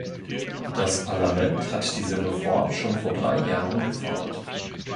Das Parlament hat diese Reform schon vor drei Jahren gefordert.